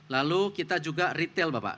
lalu kita juga retail bapak